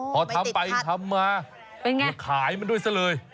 พอทำไปทำมาขายมาด้วยแสดดเลย